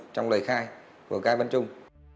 trong lời khai của cài văn trung